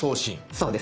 そうです。